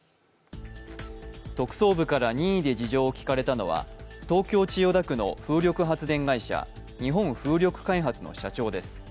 特捜部から任意で事情を聴かれたのは東京・千代田区の風力発電会社日本風力開発の社長です。